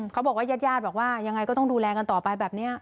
เขาบอกว่าญาติญาติบอกว่ายังไงก็ต้องดูแลกันต่อไปแบบนี้